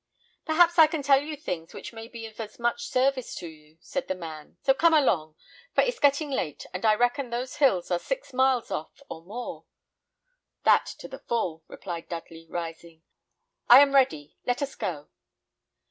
"Perhaps I can tell you things which may be of as much service to you," said the man; "so come along, for it's getting late, and I reckon those hills are six miles off or more." "That to the full," replied Dudley, rising. "I am ready; let us go."